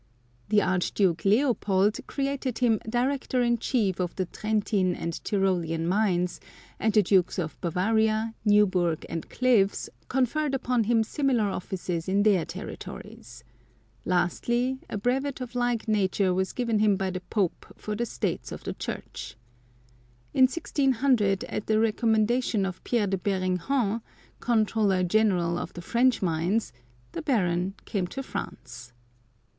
The Archduke 154 The Baroness de Beausoleil Leopold created him Director in Chief of the Trentin and Tyrolean mines, and the Dukes of Bavaria, Nieubourg, and Cleves conferred upon him similar offices in their territories ; lastly, a brevet of like nature was given him by the Pope for the States of the Church. In 1600, at the recommendation of Pierre de Beringhen, Controller General of the French mines, the Baron came to France.